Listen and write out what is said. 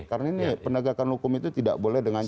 karena ini penegakan hukum itu tidak boleh dengan cara